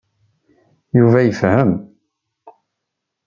Yuba yefhem.